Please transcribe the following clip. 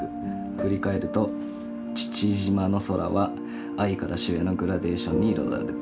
振り返ると父島の空は藍から朱へのグラデーションに彩られている。